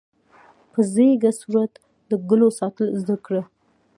په ځیږه صورت د ګلو ساتل زده کړه.